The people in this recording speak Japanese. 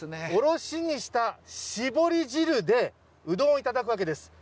おろしにしたしぼり汁で、うどんを頂くわけです。